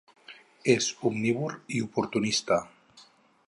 És omnívor i oportunista.